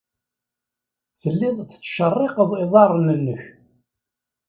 Telliḍ tettcerriqeḍ iḍarren-nnek.